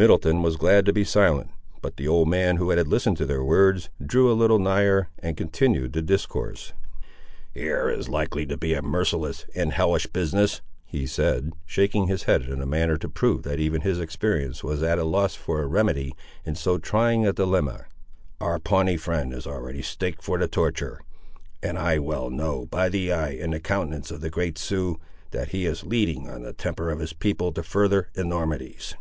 Middleton was glad to be silent; but the old man, who had listened to their words, drew a little nigher, and continued the discourse. "Here is likely to be a merciless and a hellish business!" he said, shaking his head in a manner to prove that even his experience was at a loss for a remedy in so trying a dilemma. "Our Pawnee friend is already staked for the torture, and I well know, by the eye and the countenance of the great Sioux, that he is leading on the temper of his people to further enormities."